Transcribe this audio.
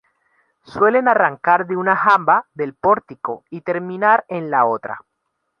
Suelen arrancar de una jamba del pórtico y terminar en la otra.